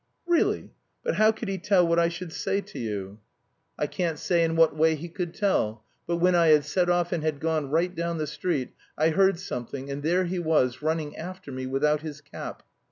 "Really! But how could he tell what I should say to you?" "I can't say in what way he could tell, but when I had set off and had gone right down the street, I heard something, and there he was, running after me without his cap.